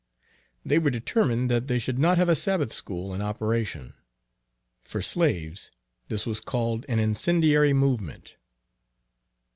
They were determined that we should not have a Sabbath School in operation. For slaves this was called an incendiary movement.